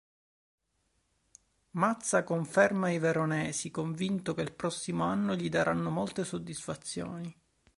Mazza conferma i veronesi, convinto che il prossimo anno gli daranno molte soddisfazioni.